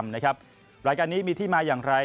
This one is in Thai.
รายการนี้มีที่มาอย่างไร